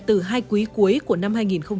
từ hai quý cuối của năm hai nghìn hai mươi